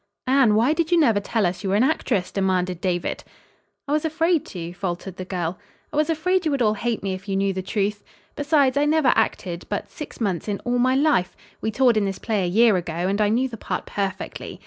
"Anne, why did you never tell us you were an actress!" demanded David. "I was afraid to," faltered the girl. "I was afraid you would all hate me if you knew the truth. Besides, I never acted but six months in all my life. We toured in this play a year ago, and I knew the part perfectly.